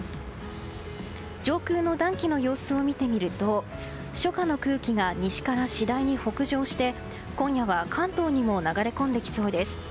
上空の暖気の様子を見てみると初夏の空気が西から次第に北上して今夜は関東にも流れ込んできそうです。